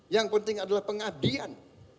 yang penting adalah pengadian